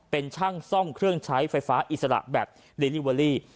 เป็นช่างซ่อมเครื่องใช้ไฟฟ้าอิสระแบบลิลิเวอรี่